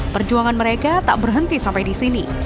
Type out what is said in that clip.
perjuangan mereka tak berhenti sampai di sini